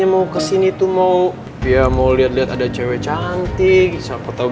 maksud moeturnya gua